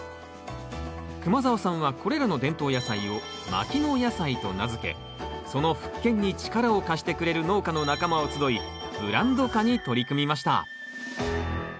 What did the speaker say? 熊澤さんはこれらの伝統野菜を牧野野菜と名付けその復権に力を貸してくれる農家の仲間を集いブランド化に取り組みました。